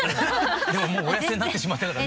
でももうお痩せになってしまったからね。